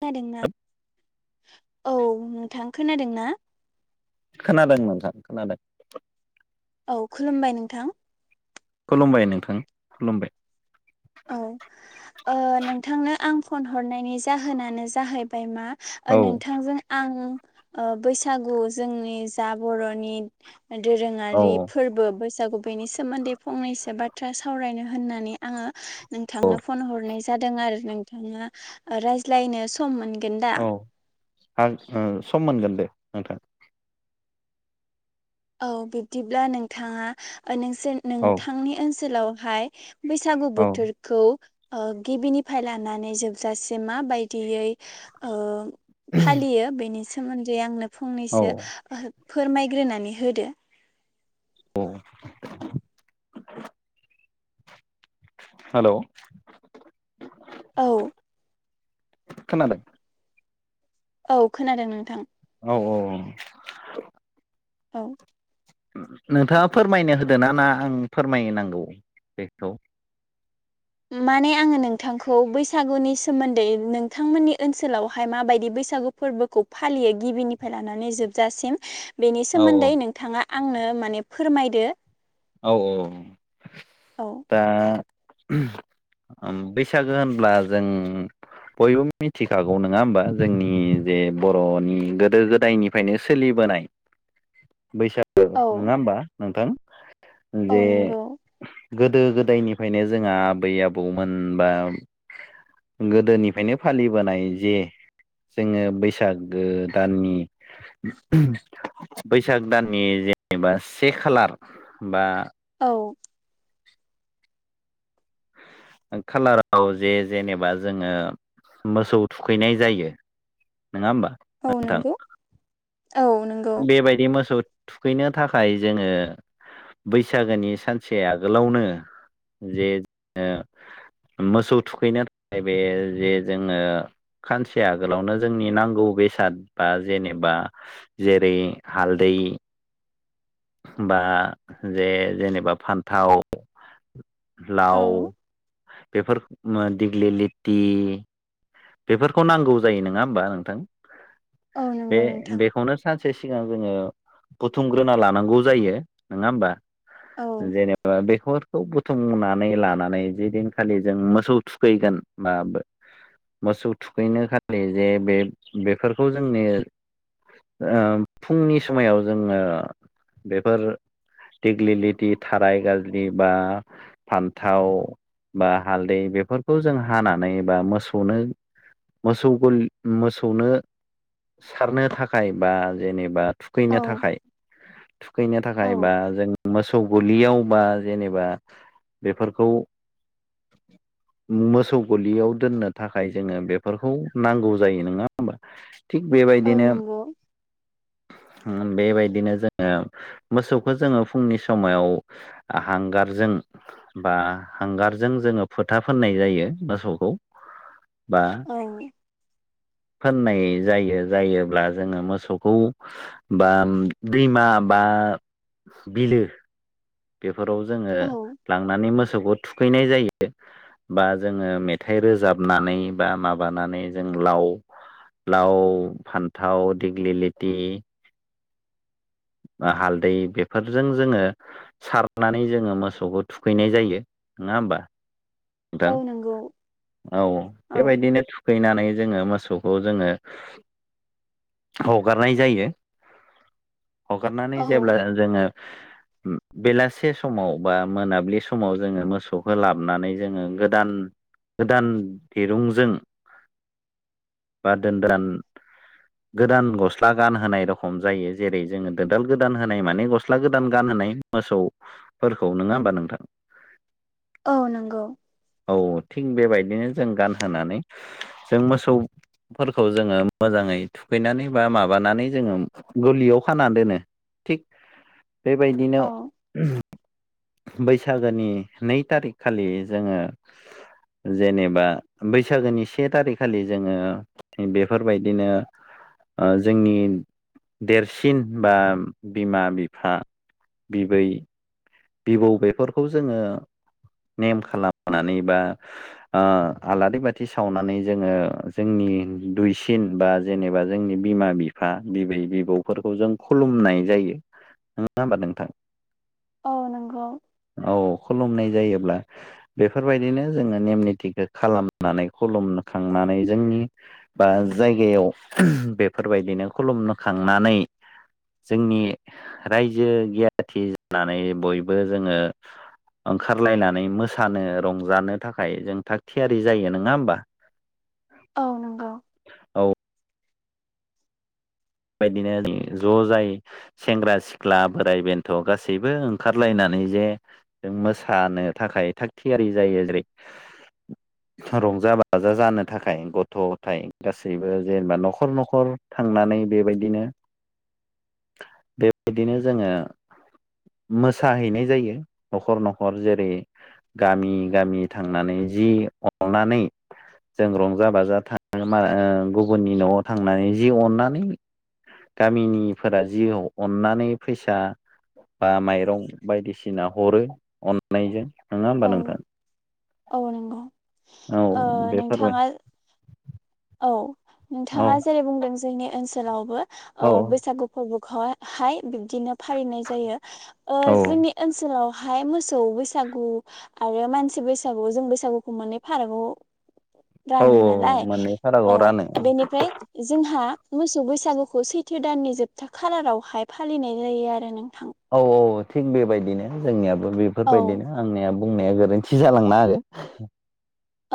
खोनादोंना औ नोंथां खोनादोंना खोनादों नोंथां खोनादों औ खुलुमबाय नोंथां खुलुमबाय नोंथां खुलुमबाय औ नोंथांनो ओ आं फन हरनायनि जाहोनानो जाहैबाय मा औ नोंथांजों आं बैसागु जोंनि जा बर'नि औ दोरोंङारि फोर्बो बै सागो बेनि सोमोन्दै फंनैसो बाथ्रा सावरायनो होननानै आंङो औ नोंथांनो फन हरनाय जादों आरो नोंथाङा रायज्लायनो सम मोन औ आ सम मोनगोन दे नोंथां औ बिब्दिब्ला नोंथाङा नोंसोर औ नोंथांनि ओनसोलावहाय बैसागु औ बोथोरखौ ओ गिबिनिफ्राय लानानै जोबजासे माबायदियै ओ फालियो बेनि सोमोन्दै आंनो औ फंनैसो फोरमायग्रोनानै होदो औ [unintelligible] हेलौ औ [unintelligible] खोनादों औ खोनादों नोंथां औ औ औ औ नोंथाङा फोरमायनो होदोना ना आं फोरमायनांगौ बेखौ [unintelligible] माने आंङो नोंथांखौ बैसागुनि सोमोन्दै नोंथांमोननि ओनसोलावहाय माबायदि बै सागु फोर्बोखौ फालियो गिबिनिफ्राय लानानै जोबजासिम बेनि औ सोमोन्दै नोंथाङा आंनो माने फोरमायदो। औ औ औ दा बैसागो होनब्ला जों बयबो मिथिखागौ नंङा होमबा जोंनि जे बर'नि गोदो गोदायनिफ्रायनो सोलि बोनाय बैसागो औ नंङा होमबा नोंथां औ जे नंगौ गोदो गोदायनिफ्रायनो जोंहा आबै आबौमोन बा गोदोनिफ्रायनो फालिबोनाय जे जोंङो बैसागो दाननि बैसाग दाननि जेनेबा से खालार बा औ खालाराव जे जेनेबा जोंङो मोसौ थुखैनाय जायो नंङा होमबा औ नोंथां नंगौ औ नंगौ बेबायदि मोसौ थुखैनो थाखाय जोंङो बैसागोनि सानसे आगोलावनो जे ओ मोसौ थुखैनो थाखाय बे जे जोंङो खानसे आगोलावनो जोंनि नांगौ बेसाद बा जेनेबा जेरै हालदै बा जे जेनेबा फान्थाव औ लाव बेफोर दिग्लि लिटि बेफोरखौ नांगौ जायो नङा होमबा नोंथां औ बे नंगौ नोंथां बेखौनो सानसे सिगां जोङो बुथुमग्रोना लानांगौ जायो नङा होमबा औ जेनेबा बेखौ खौ बुथुमनानै लानानै जदिनखालि जों मोसौ थुखैगोन बा मोसौ थुखैनो खालि जे बे बेफोरखौ जोंनि ओ फुंनि समायाव जोङो बेफोर दिगलिलिटि थाराय गाज्रि बा फान्थाव बा हालदै बेफोरखौ जों हानानै बा मोसौ नो सौनो मोसौ मोसौनो सारनो थाखाय बा जेनेबा औ थुखैनो थाखाय थुखैनो औ थाखाय बा जों मोसौ मोसौ गलियाव बा जेनेबा बेफोरखौ मोसौ गलियाव दोननो थाखाय जोङो बेफोरखौ नांगौ जायो नङा होनबा औ बेबायदिनो नंगौ बेबायदिनो जोङो मोसौखौ जोङो फुंनि समाव आहां गारजों बा हांगारजों जोङो फोथा फोननाय जायो मोसौखौ बा औ फोननाय जायो जायोब्ला जोङो मोसौखौ बा दैमा बा आ बिलो बेफोराव जोङो औ लांनानै मोसौखौ थुखैनाय जायो बा जोङो मेथाइ रोजाबनानै बा माबानानै जों लाव लाव फान्थाव दिग्लि लेथि बा हालदै बेफोरजों जोङो सारनानै जोङो मोसौखौ थुखैनाय जायो नङा होमबा नोंथां औ नंगौ औ औ बेबायदिनो थुखैनानै जोङो मोसौखौ जोङो हगारनाय जायो हगारनानै औ जेब्ला जोङो बेलासे समाव बा मोनाबिलि समाव जोङो मोसौखौ लाबनानै जोङो गोदान गोदान दिरुंजों बा दोनदान गोदान गस्ला गान होनाय रखम जायो जेरै जोङो [inaudible] गोदान होनाय माने गस्ला गोदान गान [inaudible] सौफोरखौ नङा होमबा नोंथां औ नंगौ औ थिग बेबायदिनो जों गानहोनानै जों मोसौ फोरखौ जोङो मोजाङै थुखैनानै बा माबानानै जोङो गलियाव खाना दोनो थिग बेबायदिनो औ बैसागोनि नै थारिख खालि जोङो जेनेबा बैसागोनि से थारिखखालि जोङो बेफोरबायदिनो जोंनि देरसिन बा बिमा बिफा बिबै बिबौ बेफोरखौ जोङो नेम खालामनानै बा आलारि बाथि सावनानै जोङो जोंनि दुइसिन बा जेनेबा जोंनि बिमा बिफा बिबै बिबौफोरखौ जों खुलुमनाय जायो नङा होमबा नोंथां औ नंगौ औ खुलुमनाय जायोब्ला बेफोरबायदिनो जोङो नेम निथिखौ खालामनानै खुलुम खांनानै जोंनि बा जायगायाव बेफोरबायदिनो खुलुमनो खांनानै जोंनि रायजो गियाथि जानानै बयबो जोङो ओंखारलायनानै मोसानो रंजानो थाखाय जों थाग थियारि जायो नङा होमबा [inaudible] औ नंगौ। औ। बेबायदिनो ज' जाय सेंग्रा सिख्ला बोराय बेन्थ' गासैबो ओंखारलायना नैजे जों मोसानो थाखाय थाग थियारि जायो जेरै रंजा बाजा जानो थाखाय गथ' गथाय गासैबो जेनेबा न'खर न'खर थांनानै बेबायदिनो बेबायदिनो जोङो मोसाहैनाय जायो न'खर न'खर जेरै गामि गामि थांनानै जि अननानै जों रंजा बाजा थाङो आ गुबुननि न'आव थांनानै जि अननानै गामिनिफोरा जि अननानै फैसा बा माइरं बायदिसिना हरो अननायजों नङा होमबा औ नोंथां औ नंगौ ओ बेफोरबो। औ नोंथाङा जेरै बुंदों जोंनि ओनसोलावबो ओ औ बैसागु फोरबो हाय बिब्दिनो फालिनाय जायो ओ औ जोंनि ओनसोलाव हाय मोसौ बैसागु आरो मानसि बैसागु जों बैसागुखौ माने फारागआव औ रानो नालाय मोननै औ फारागाव रानो बेनिफ्राय जों हा मोसौ बैसागुखौ सैथो दाननि जोबथा खालारावहाय फालिनाय जायो आरो नों औ औ थिग बेबायदिनो जोंनियाबो औ बेफोरबायदिनो आंनियाबो बुंनाया गोरोन्थि जालांनो हागो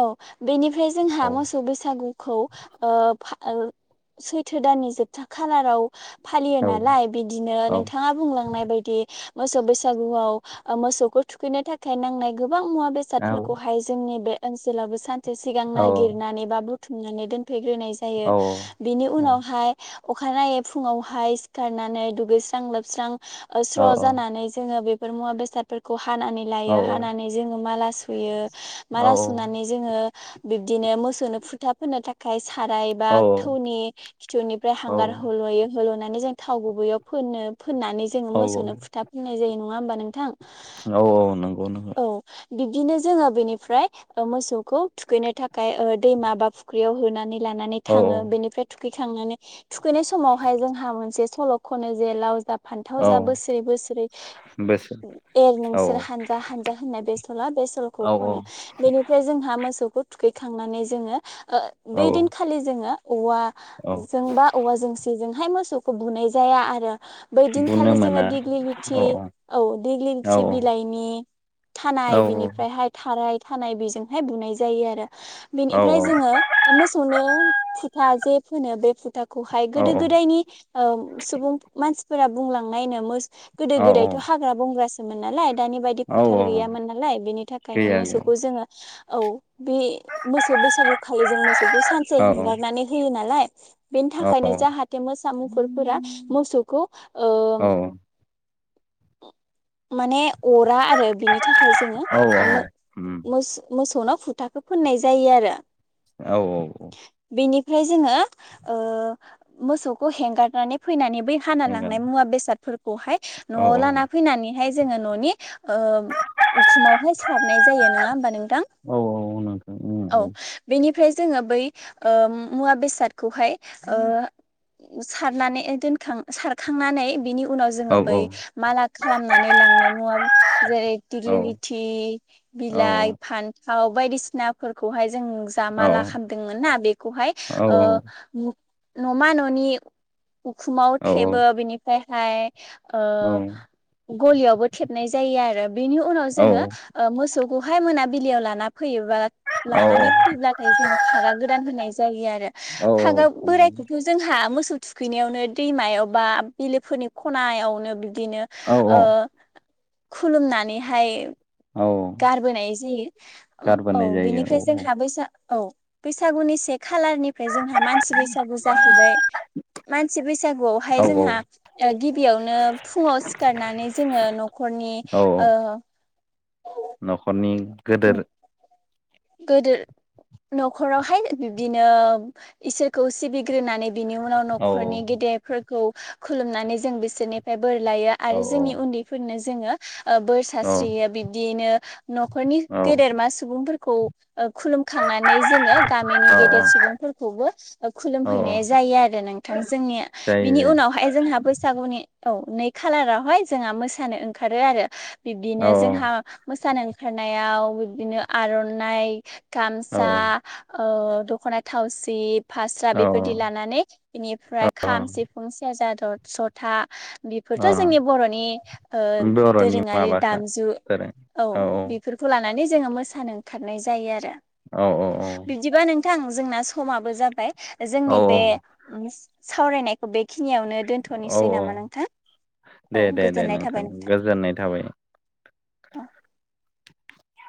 औ बेनिफ्राय जोंहा मोसौ बैसागु खौ ओ फा ओ सैथो दाननि जोबथा खालाराव फालियो औ नालाय बिदिनो नोंथाङा बुंलांनाय बायदि मोसौ बैसागुआव ओ मोसौखौ थुखैनो थाखाय नांनाय गो बां मुवा औ बेसादफोरखौहाय जोंनि बे ओनसोलावबो सानसे सिगां औ नागिरनानै बा बुथुमनानै दोन फैग्रोनाय जायो औ बिनि उनावहाय अखानायनायै फुङावहाय सिखारनानै दुगैस्रां लोबस्रां औ स्र' जानानै जोङो बे मुवा बेसादफोरखौ हानानै औ लायो हानानै जोङो माला सुयो औ माला सु नानै जोङो बिबदिनो मोसौनो फुथा फोननो थाखाय साराय बा औ थौनि खिथौनिफ्राय हांगार होल'यो होल'नानै जों थाव गुबैयाव फोनो फोननानै जोङो औ मोसौनो फुथा फुननाय जायो नङा होमबा नोंथां? औ औ नंगौ नंगौ। औ बिब्दिनो जोङो बेनिफ्राय ओ मोसौखौ थुखैनो थाखाय ओ दैमा बा फुख्रियाव होनानै लानानै औ थाङो औ बेनिफ्राय थुखैखांनानै थुखैनाय समावहाय जोंहा मोनसे सल' खनो जे लाव जा फान्थाव औ जा बोसोरै बोसोरै बोसोर एर औ नोंसोर हा हानजा होननाय बे सल' बे सल'खौ औ खनो बेनिफ्राय जोंहा मोसौ खौ थुखैखांनानै जोङो ओ औ बै दिनखालि जोङो औ औवाजों बा औवा जोंसिजोंहाय मोसौखौ बुनाय जाया आरो। बुनो बैदिनखालि जोङो मोना औ दिग्लिलिथि औ औ दिग्लि औ लिथि बिलाइनि औ थानाय बिनिफ्रायहाय थाराय थानाय बेजोंहाय बुनाय जायो आरो। औ बेनिफ्राय जोङो मोसौनो फुथा जे फोनो बेुफुथा थाखौहाय औ गोदो गोदायनि ओ सुबुं मानसिफोरा बुंलांनायनो गोदो औ गोदायथ' हाग्रा बंग्रासोमोन नालाय दानि बायदि औ फोथार औ गैयामोन नालाय बेनि थाखायनो गैया गैया मोसौखौ जोङो औ बे मोसौ बैसागुखालि जों मोसौखौ सानसे औ हेंगारनानै होयो नालाय‌ बेनि औ थाखायनो जाहाथे मोसा मुफुरफोरा मोसौखौ औ। माने अरा आरो बिनि थाखाय जोङो औ ओ मो उम मोसौ मोसौनाव फुथाखौ फोननाय जायो आरो। औ औ औ। बेनिफ्राय जोङो ओ मोसौखौ हेंगारनानै फैनानै बै हाना नंगोन लांनाय मुवा बेसादफोरखौहाय औ न'आव औ लाना फैनानैहाय जोङो न'नि ओ उखुमावहाय सिथाबनाय जायो नङा होमबा नोंथां औ नोंथां उम औ बेनि ओमफ्राय जोङो बै ओ मुवा बेसादखौहाय ओ सारनानै दोनखां सारखांनानै बिनि उनाव औ जोङो बै माला खालामनानै लांनाय मुवा जेरै औ तलिलिथि औ बिलाइ फान्थाव बायदिसिनाफोरखौहाय जों ज औ माला औ खालामदोंमोन ना बेखौहाय ओ न'मा न'नि उखुमाव थेबो बिनिफ्रायहाय ओ गलियावबो थेबनाय जायो आरो बेनि उनाव जोङो ओ मोसौ गहाय मोनाबिलियाव लाना फैयोबा लानानै फैब्लाथाय जोंनो पागा गोदान होनाय जायो आरो पागआ बोराय बेथ' जोंहा मोसौ थुखैनायावनो दैमायाव बा बिलेफोरनि खनायावनो बिदिनो खुलुमनानैहाय गारबोनाय जायो औ गारबोनाय जायो बेनिफ्राय औ जोंहाबैसा औ बैसागुनि से खालारनिफ्राय जोंहा मानसि बैसागु जाहैबाय मानसि बैसागुआवहाय औ जोंहा गिबियावनो फुङाव सिखारनानै जोङो न'खरनि औ न'खरनि गोदोर गोदोर न'खरावहाय बिब्दिनो इसोरखौ सिबिग्रोनानै बिनि उनाव औ न'खरनि गेदेरफोरखौ खुलुमनानै जों बिसोरनिफ्राय बोर लायो औ आरो जोंनि उन्दैफोरनो जोङो बोर औ सास्रियो बिदियैनो न'खरनि औ गेदेरमा सुबुंफोरखौ खुलुमखांनानै जोङो गामिनि औ गेदेर सुबुंफोरखौबो खुलुम औ औ हैैनाय जायो आरो ना थांसालनि जायो बिनि जायो उनावहाय जोंहा बैसागुनि औ नै खालारावहाय जोंहा मोसानो ओंखारो आरो औ बिब्दिनो जोंहा मोसानो खारनायाव बिदिनो आर'नाइ औ गामसा ओ दख'ना थावसि फास्रा औ बेफोरदि लानानै बेनिफ्राय औ खाम सिफुं सेरजा जथा बेफोरथ' औ जोंनि बर'नि ओ बर'नि दोरोङारि माबाखा दामजु दोरों औ बेफोरखौ लानानै जोङो मोसानो ओंखारनाय जायो आरो औ औ बिदिबा नोंथां जोंना समाबो जाबाय औ जोंनि बे उ सावरायनायखौ बेखिनियावनो औ औ दोनथ'नोसै औ नामा नोंथां औ दे दे दे गोजोननाय थाबाय नोंथां गोजोननाय थाबाय औ